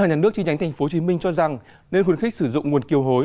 và các nhà nước chi nhánh tp hcm cho rằng nên khuyến khích sử dụng nguồn kiều hối